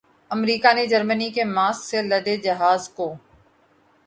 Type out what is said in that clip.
امریکا نے جرمنی کے ماسک سے لدے جہاز کو